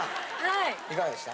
いかがでした？